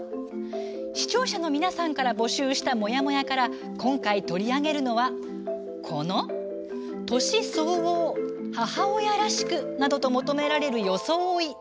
視聴者の皆さんから募集した「もやもや」から今回取り上げるのは、この年相応母親らしくなどと求められる「よそおい」。